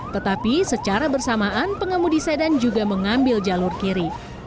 tetapi secara bersamaan pengemudi sedan juga mengambil jalur kiri